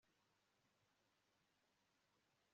bumva ko bayasonzeye kandi bakanezezwa